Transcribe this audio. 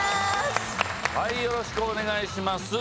よろしくお願いします。